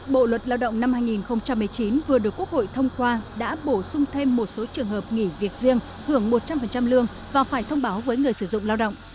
bộ luật lao động năm hai nghìn một mươi chín vừa được quốc hội thông qua đã bổ sung thêm một số trường hợp nghỉ việc riêng hưởng một trăm linh lương và phải thông báo với người sử dụng lao động